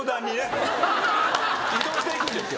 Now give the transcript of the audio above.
移動していくんですよ。